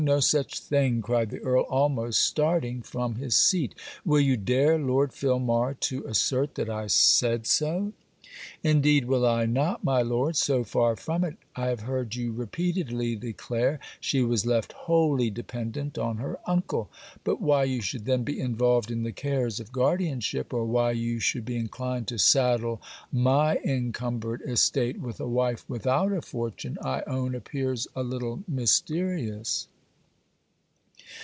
no such thing!' cried the Earl almost starting from his seat. 'Will you dare, Lord Filmar, to assert that I said so?' 'Indeed will I not, my Lord. So far from it, I have heard you repeatedly declare she was left wholly dependent on her uncle. But why you should then be involved in the cares of guardianship, or why you should be inclined to saddle my encumbered estate with a wife without a fortune, I own appears a little mysterious.'